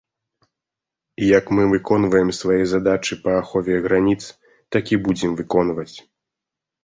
Як мы выконваем свае задачы па ахове граніц, так і будзем выконваць.